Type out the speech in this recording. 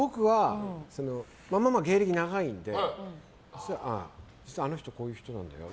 ママは芸歴が長いのであの人こういう人なんだよ